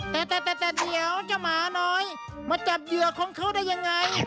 แต่แต่เดี๋ยวเจ้าหมาน้อยมาจับเหยื่อของเขาได้ยังไง